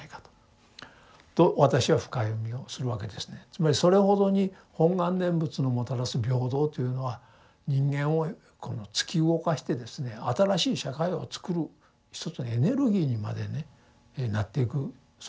つまりそれほどに本願念仏のもたらす平等というのは人間を突き動かしてですね新しい社会をつくる一つのエネルギーにまでねなっていくそういうものだと思いますね。